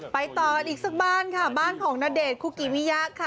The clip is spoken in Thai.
ไปต่อกันอีกสักบ้านค่ะบ้านของณเดชน์คุกิมิยะค่ะ